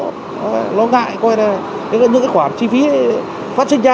nó lo ngại coi là những cái khoản chi phí phát sinh ra